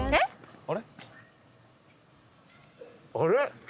あれ？